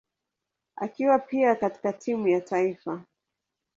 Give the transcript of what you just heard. akiwa pia katika timu ya taifa.